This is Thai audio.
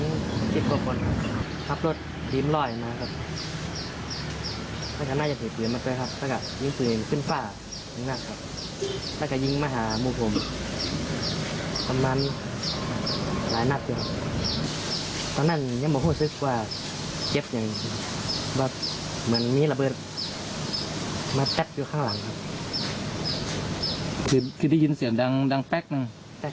อื้มนายดียังบอกอีกนะคะว่าส่วนตัวนี้นะเขาเชื่อว่าคงเป็นเพราะบารมีของเรนพระคุณค่ะ